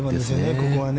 ここは。